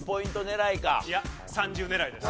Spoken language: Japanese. ３０狙いで！